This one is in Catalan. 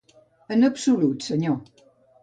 En absolut, senyor.